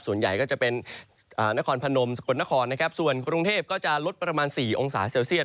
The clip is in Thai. ส่วนใหญ่ก็จะเป็นนครพนมสกลนครนะครับส่วนกรุงเทพก็จะลดประมาณ๔องศาเซลเซียต